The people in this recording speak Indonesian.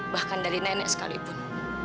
bahkan dari nenek sekalipun